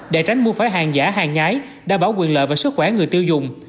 để tránh mua phải hàng giả hàng nhái đảm bảo quyền lợi và sức khỏe người tiêu dùng